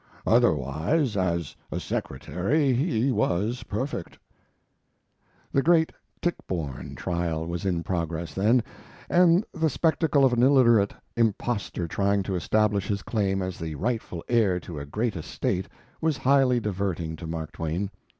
Otherwise, as a secretary, he was perfect." The great Tichborne trial was in progress then, and the spectacle of an illiterate impostor trying to establish his claim as the rightful heir to a great estate was highly diverting to Mark Twain.